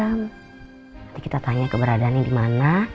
nanti kita tanya keberadaannya di mana